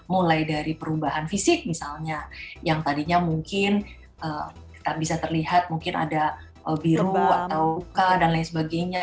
mulai dari perubahan fisik misalnya yang tadinya mungkin bisa terlihat mungkin ada biru atau luka dan lain sebagainya